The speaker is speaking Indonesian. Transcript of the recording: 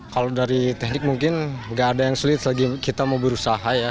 kalau dari teknik mungkin nggak ada yang sulit lagi kita mau berusaha ya